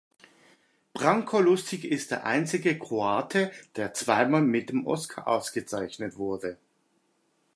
Branko Lustig ist der einzige Kroate, der zweimal mit dem Oscar ausgezeichnet wurde.